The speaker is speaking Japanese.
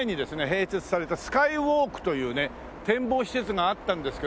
併設されたスカイウォークというね展望施設があったんですけど。